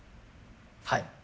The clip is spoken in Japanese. はい。